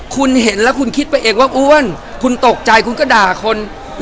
คุณเห็นแล้วคุณคิดไปเองว่าอ้วนคุณตกใจคุณก็ด่าคน